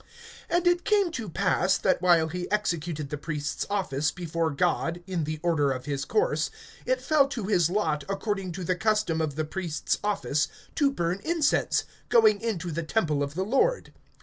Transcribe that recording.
(8)And it came to pass, that while he executed the priest's office before God, in the order of his course, (9)it fell to his lot, according to the custom of the priest's office, to burn incense, going into the temple of the Lord.